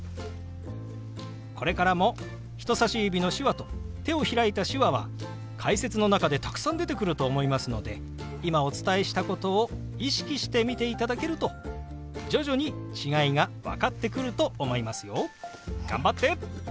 これからも人さし指の「手話」と手を開いた「手話」は解説の中でたくさん出てくると思いますので今お伝えしたことを意識して見ていただけると徐々に違いが分かってくると思いますよ。頑張って！